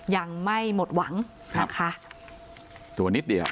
ยังไม่หมดหวังนะคะ